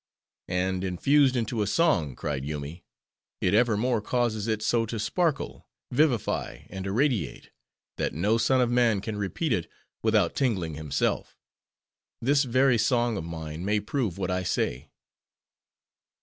"And infused into a song," cried Yoomy, "it evermore causes it so to sparkle, vivify, and irradiate, that no son of man can repeat it without tingling himself. This very song of mine may prove what I say."